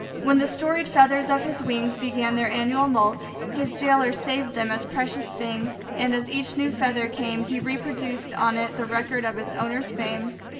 When the storied feathers of his wings began their annual moult, his jailer saved them as precious things, and as each new feather came he reproduced on it the record of its owner's fame.